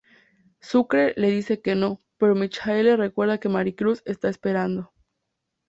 Sucre le dice que no, pero Michael le recuerda que Maricruz está esperando.